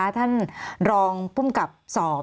ท่านรองผู้กำกับซอบ